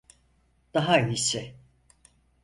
Daha iyisi.